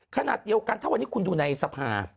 ขณะเดียวกันถ้าวันนี้คุณดูในสภา